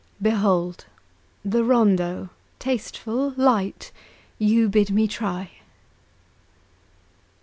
Behold! the rondeau, tasteful, light, You bid me try!